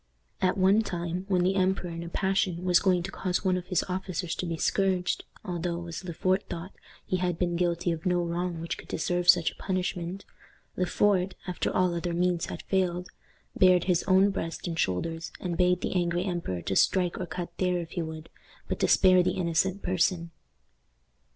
At one time, when the emperor in a passion, was going to cause one of his officers to be scourged, although, as Le Fort thought, he had been guilty of no wrong which could deserve such a punishment, Le Fort, after all other means had failed, bared his own breast and shoulders, and bade the angry emperor to strike or cut there if he would, but to spare the innocent person.